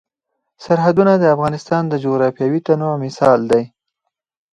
سرحدونه د افغانستان د جغرافیوي تنوع مثال دی.